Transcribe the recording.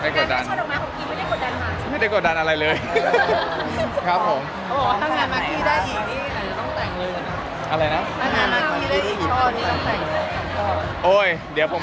คุณเป็นกดดันตัวเองใช่ไหมครับ